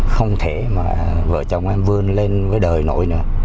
không thể mà vợ chồng em vươn lên với đời nổi nữa